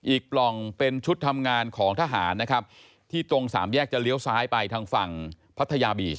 ปล่องเป็นชุดทำงานของทหารนะครับที่ตรงสามแยกจะเลี้ยวซ้ายไปทางฝั่งพัทยาบีช